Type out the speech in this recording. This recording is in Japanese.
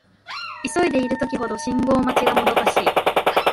急いでいる時ほど信号待ちがもどかしい